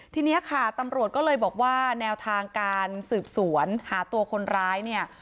ทีนี้ค่ะตำรวจก็เลยบอกว่าแนวทางการสืบสวนหาตัวคนร้ายเนี่ย